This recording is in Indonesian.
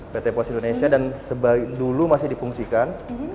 pt pos indonesia dan dulu masih dipungsikan